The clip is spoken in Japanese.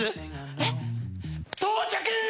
えっ？到着！